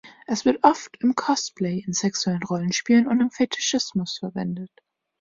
Es wird oft im Cosplay, in sexuellen Rollenspielen und im Fetischismus verwendet.